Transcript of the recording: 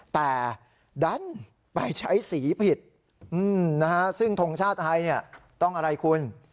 แต่ดันไปใช้สีผิดซึ่งทงชาติไทยต้องอะไรคุณ